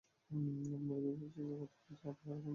আপনাকে স্বীকার করতে হবে যে আমরা কোনো রকম গবেষণায় বাধা দেই না।